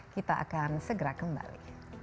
kita akan segera kembali